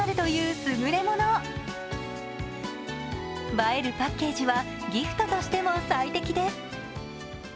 映えるパッケージはギフトとしての最適です。